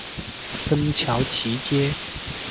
芬乔奇街。